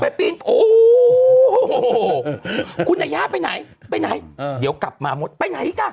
ปีนโอ้คุณยาย่าไปไหนไปไหนเดี๋ยวกลับมามดไปไหนอีกอ่ะ